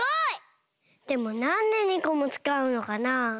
でもなんで２こもつかうのかなあ？